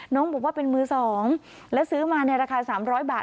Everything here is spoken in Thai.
น้องบอกว่าเป็นมือ๒แล้วซื้อมาในราคา๓๐๐บาท